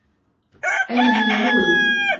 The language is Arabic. أين هي لوري؟